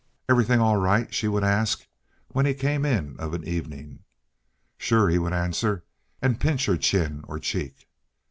"Everything all right?" she would ask when he came in of an evening. "Sure!" he would answer, and pinch her chin or cheek.